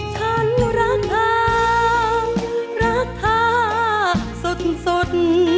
ฉันรักเธอรักเธอสด